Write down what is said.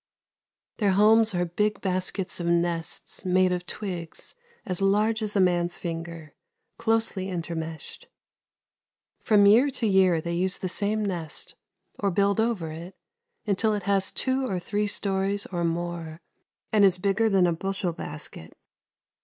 Their homes are big baskets of nests made of twigs as large as a man's finger, closely intermeshed. From year to year they use the same nest or build over it until it has two or three stories or more and is bigger than a bushel basket.